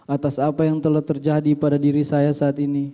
atas apa yang telah terjadi pada diri saya saat ini